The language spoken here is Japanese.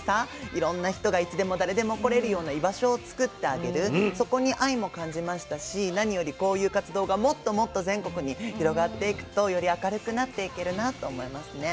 いろんな人がいつでも誰でも来れるような居場所を作ってあげるそこに愛も感じましたし何よりこういう活動がもっともっと全国に広がっていくとより明るくなっていけるなと思いますね。